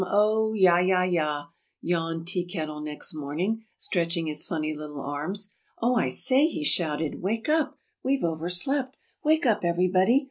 O, yah, yah, yah," yawned Tea Kettle next morning, stretching his funny little arms. "Oh, I say," he shouted, "Wake up! We've overslept. Wake up, everybody!